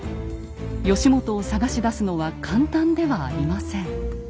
義元を捜し出すのは簡単ではありません。